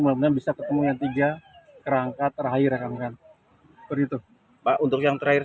mudah mudahan bisa ketemu yang tiga kerangka terakhir rekan rekan begitu pak untuk yang terakhir